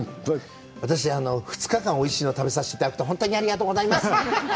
私、２日間おいしいの食べさせていただいて本当にありがとうございます。